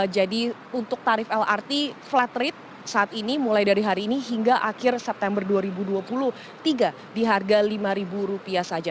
jadi untuk tarif lrt flat rate saat ini mulai dari hari ini hingga akhir september dua ribu dua puluh tiga di harga rp lima saja